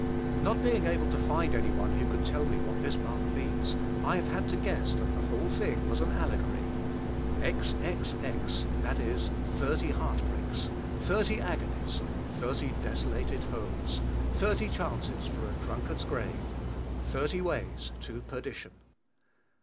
Not being able to find any one who could tell me what this mark means, I have had to guess that the whole thing was an allegory: XXX that is, thirty heartbreaks. Thirty agonies. Thirty desolated homes. Thirty chances for a drunkard's grave. Thirty ways to perdition.